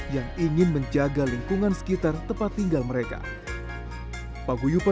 yang ingin menjaga lingkungan sekitar ibu dan ibu yang berada di kedul dan gunung kidul